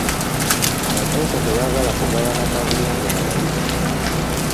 Abasomesa tebaagala kugabana kaabuyonjo na bayizi.